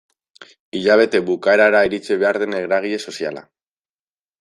Hilabete bukaerara iritsi behar den eragile soziala.